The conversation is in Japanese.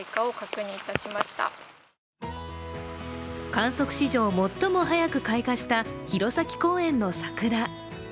観測史上最も早く開花した弘前公園の桜。